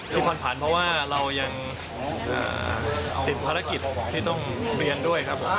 ผ่อนผันเพราะว่าเรายังติดภารกิจที่ต้องเรียนด้วยครับผม